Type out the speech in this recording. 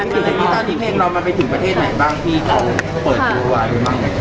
ตอนนี้เพลงน้องมาไปถึงประเทศไหนบ้างที่เขาเปิดธุรกิจบังไหร่บ้าง